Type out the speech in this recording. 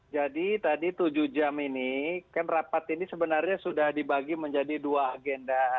jadi tadi tujuh jam ini kan rapat ini sebenarnya sudah dibagi menjadi dua agenda